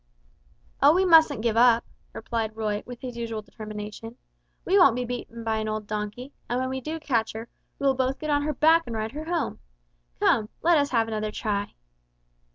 "Oh, we mustn't give up," Roy replied, with his usual determination; "we won't be beaten by an old donkey, and when we do catch her, we will both get on her back and ride her home. Come on, let us have another try!"